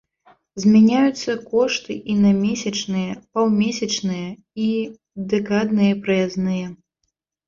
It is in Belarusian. Змяняюцца кошты і на месячныя, паўмесячныя і дэкадныя праязныя.